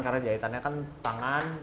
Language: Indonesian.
karena jahitannya kan tangan